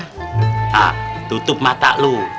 hah tutup mata lo